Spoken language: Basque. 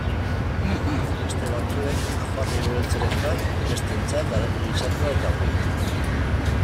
Beste batzuek ajoarriero eltzeren bat, besteentzat haragi gisatua eta ogia.